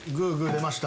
出ました。